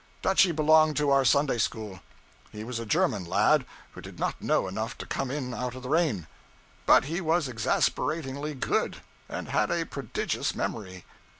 Dutchy belonged to our Sunday school. He was a German lad who did not know enough to come in out of the rain; but he was exasperatingly good, and had a prodigious memory.